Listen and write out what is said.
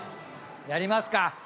やりますか。